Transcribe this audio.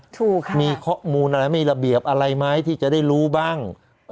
ถูกค่ะมีข้อมูลอะไรมีระเบียบอะไรไหมที่จะได้รู้บ้าง